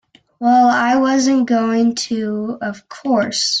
Well, I wasn't going to, of course.